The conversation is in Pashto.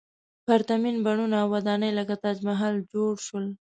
پرتمین بڼونه او ودانۍ لکه تاج محل جوړ شول.